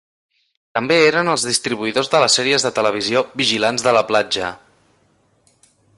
També eren els distribuïdors de les sèries de TV "Vigilants de la platja".